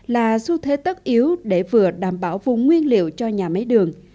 là xu thế tất yếu để vừa đảm bảo vùng nguyên liệu cho nhà máy đường